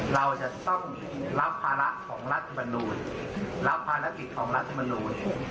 เราจะต้องรับภาระของรัฐบรรณูนรับภาระกิจของรัฐบรรณูน